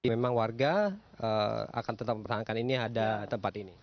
memang warga akan tetap mempertahankan ini ada tempat ini